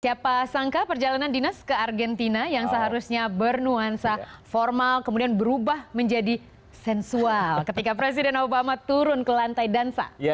siapa sangka perjalanan dinas ke argentina yang seharusnya bernuansa formal kemudian berubah menjadi sensual ketika presiden obama turun ke lantai dansa